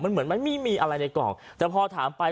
เหมือนมันไม่มีอะไรในกล่องแต่พอถามไป